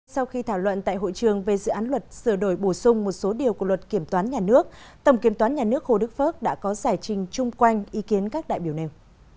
sau khi thảo luận tại hội trường về dự án luật sửa đổi bổ sung một số điều của luật kiểm toán nhà nước tổng kiểm toán nhà nước hồ đức phước đã có giải trình chung quanh ý kiến các đại biểu nêu